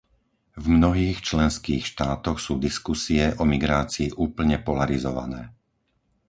V mnohých členských štátoch sú diskusie o migrácii úplne polarizované.